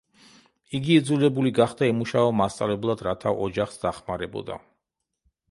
იგი იძულებული გახდა ემუშავა მასწავლებლად რათა ოჯახს დახმარებოდა.